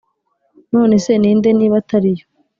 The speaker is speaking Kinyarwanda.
none se ni nde niba atari yo’